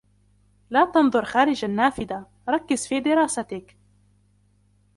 لا تنظر خارج النافذة، ركز في دراستك.